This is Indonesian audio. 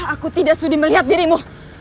aku tidak studi melihat dirimu